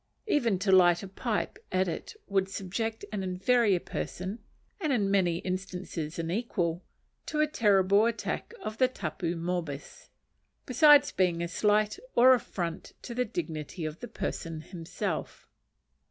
Even to light a pipe at it would subject any inferior person (and in many instances an equal) to a terrible attack of the tapu morbus; besides being a slight or affront to the dignity of the person himself.